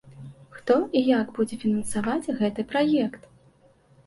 Хто і як будзе фінансаваць гэты праект?